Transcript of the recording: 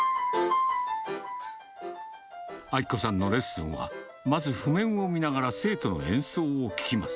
明子さんのレッスンは、まず譜面を見ながら生徒の演奏を聴きます。